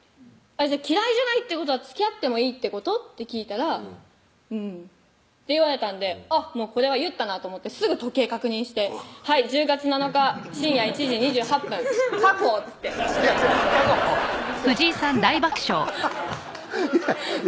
「嫌いじゃないってことはつきあってもいいってこと？」って聞いたら「うん」って言われたんでこれは言ったなと思ってすぐ時計確認して「はい１０月７日深夜１時２８分確保！」っつってハハハハッいや